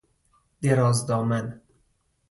درازدامن